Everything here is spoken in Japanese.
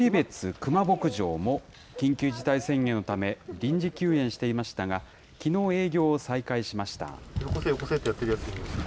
クマ牧場も、緊急事態宣言のため、臨時休園していましたが、きのう営業を再開しました。